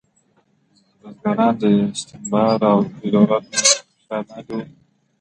بزګران د استثمار او فیوډالانو تر فشار لاندې وو.